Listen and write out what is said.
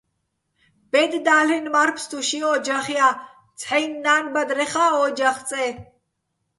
ბედ და́ლ'ენო̆ მარ-ფსტუ ში ო́ჯახ ჲა, ცჰ̦აჲნი̆ ნან-ბადრეხა́ ო́ჯახ წე.